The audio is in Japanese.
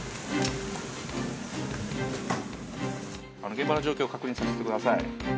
現場の状況を確認させてください